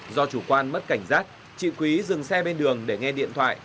do chủ quan mất cảnh giác chị quý dừng xe bên đường để nghe điện thoại